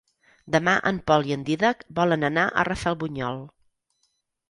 Demà en Pol i en Dídac volen anar a Rafelbunyol.